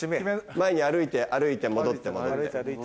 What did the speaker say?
前に歩いて歩いて戻って戻って。